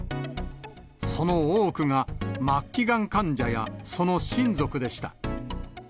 その多くが末期がん患者やその親族でした。